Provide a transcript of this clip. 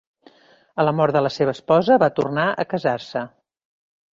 A la mort de la seva esposa, va tornar a casar-se.